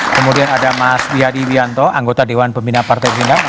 kemudian ada mas yadi wianto anggota dewan pembina partai gerindra